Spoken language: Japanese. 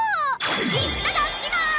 いっただっきます！